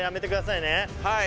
はい。